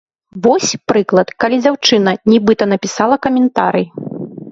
Вось, прыклад, калі дзяўчына нібыта напісала каментарый.